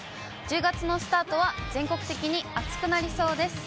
１０月のスタートは全国的に暑くなりそうです。